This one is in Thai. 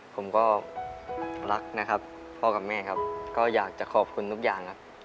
ผมก็รักนะครับพ่อกับแม่ครับก็อยากจะขอบคุณทุกอย่างครับ